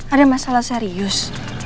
ada masalah serius